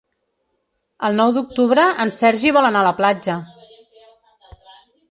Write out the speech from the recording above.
El nou d'octubre en Sergi vol anar a la platja.